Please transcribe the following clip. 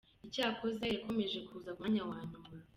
Icyakoze yakomeje kuza ku mwanya wa nyuma.